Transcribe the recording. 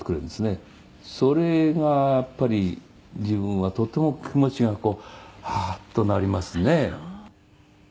「それがやっぱり自分はとても気持ちがこうはあーとなりますね」